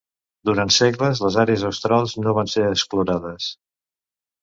Durant segles les àrees australs no van ser explorades.